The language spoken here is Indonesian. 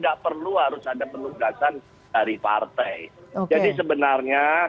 ketua dpp pdi perjuangan